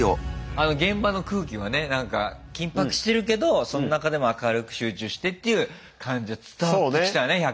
現場の空気はねなんか緊迫してるけどその中でも明るく集中してっていう感じは伝わってきたね